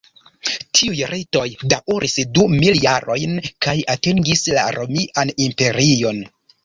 Tiuj ritoj daŭris du mil jarojn kaj atingis la Romian Imperion.